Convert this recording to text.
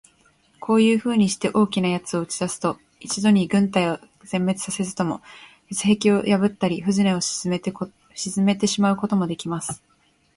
こういうふうにして、大きな奴を打ち出すと、一度に軍隊を全滅さすことも、鉄壁を破ったり、船を沈めてしまうこともできます。